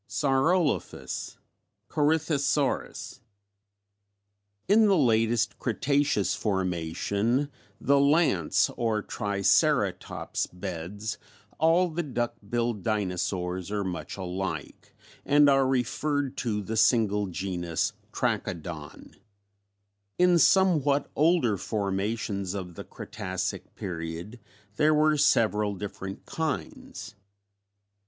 Saurolophus, Corythosaurus. In the latest Cretaceous formation, the Lance or Triceratops beds, all the duck billed dinosaurs are much alike, and are referred to the single genus Trachodon. In somewhat older formations of the Cretacic period there were several different kinds.